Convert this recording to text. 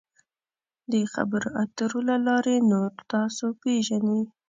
د خبرو اترو له لارې نور تاسو پیژني.